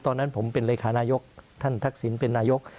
ตอนนั้นผมเป็นเลขานายกท่านทักษิณเป็นนายก